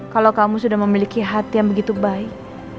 kalau kamu sudah memiliki hati yang begitu baik